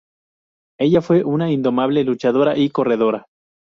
Ella fue una indomable luchadora y corredora.